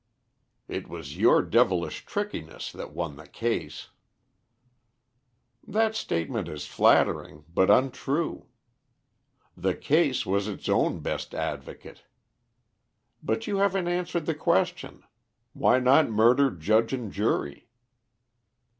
"It was your devilish trickiness that won the case." "That statement is flattering but untrue. The case was its own best advocate. But you haven't answered the question. Why not murder judge and jury?"